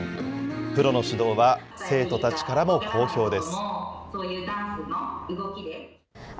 プロの指導は生徒たちからも好評です。